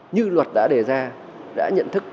như luật đã đề ra đã nhận thức